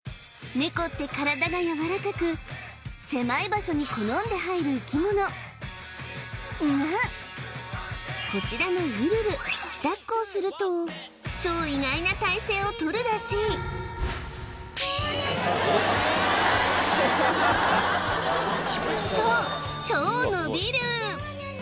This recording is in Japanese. ネコって体がやわらかく狭い場所に好んで入る生き物がこちらのうるる抱っこをすると超意外な体勢を取るらしいそう超伸びる！